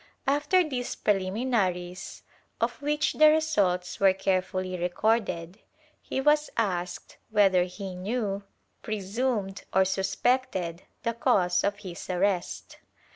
After these preliminaries, of which the results were carefully recorded, he was asked whether he knew, presumed or suspected the cause of his arrest.